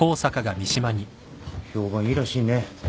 評判いいらしいね。